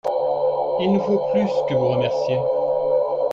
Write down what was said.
Il nous faut plus que vous remercier.